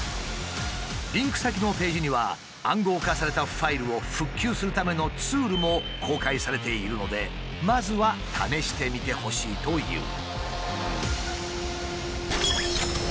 リンク先のページには暗号化されたファイルを復旧するためのツールも公開されているのでまずは試してみてほしいという。